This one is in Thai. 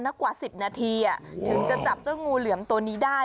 แล้วกว่าสิบนาทีอ่ะถึงจะจับเจ้างูเหลือมตัวนี้ได้